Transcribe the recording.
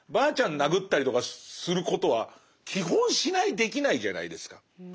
殴ったりとかすることは基本しないできないじゃないですか。